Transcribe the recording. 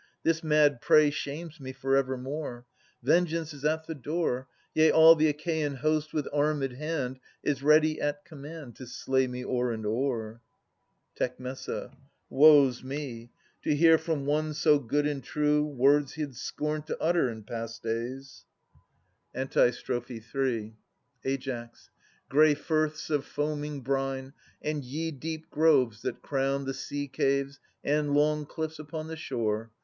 This mad prey Shames me for evermore: Vengeance is at the door ; Yea, all the Achaean host, with armed hand, Is ready at command To slay me o'er and o'er. Tec. Woe 's me ! to hear from one so good and true Words he had scorned to utter in past days. F 2 68 A ias [412 440 Antistrophe III. Ai. Grey firths of foaming brine, And ye, deep groves, that crown The sea caves and long cliffs upon the shore.